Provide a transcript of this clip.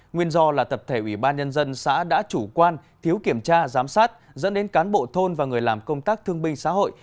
nguyên do là tập thể ủy ban nhân dân xã đã chủ quan thiếu kiểm tra giám sát dẫn đến cán bộ thôn và người làm công tác thương binh xã hội